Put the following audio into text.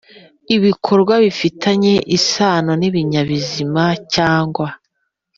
Ibikorwa bifitanye isano n ibinyabuzima cyangwa